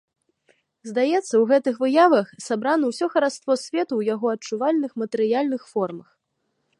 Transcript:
Здаецца, у гэтых выявах сабрана ўсё хараство свету ў яго адчувальных матэрыяльных формах.